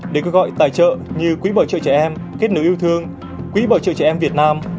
để được gọi tài trợ như quỹ bảo trợ trẻ em kết nối yêu thương quỹ bảo trợ trẻ em việt nam